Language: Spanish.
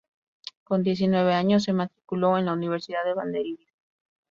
Con diecinueve años se matriculó en la Universidad de Vanderbilt.